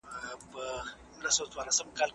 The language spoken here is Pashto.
د لیست سره سم خواړه رانیول د بې وخته خوراک مخنیوی کوي.